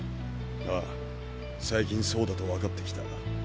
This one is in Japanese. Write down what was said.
ああ最近そうだと分かってきた。